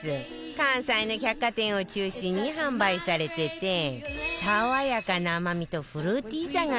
関西の百貨店を中心に販売されてて爽やかな甘みとフルーティーさが香る